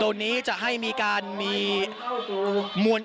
เถอะตรงนี้เป็นจุดประถมพยาบาลที่มีการนำผู้บาดเจ็บเมื่อสักครู่นี้มาอยู่บริเวณนี้